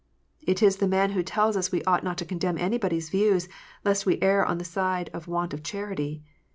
It is the man who tells us we ought not to condemn anybody s views, lest we err on the side of want of charity.